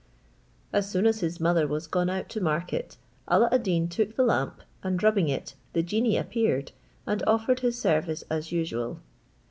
As soon as his mother was gone out to market, Alla ad Deen took the lamp, and rubbing it, the genie appeared, and offered his service as usual.